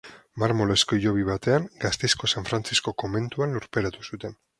Marmolezko hilobi batean Gasteizko San Frantzisko komentuan lurperatu zuten.